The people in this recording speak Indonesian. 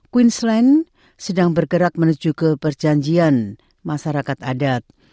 queensland sedang bergerak menuju ke perjanjian masyarakat adat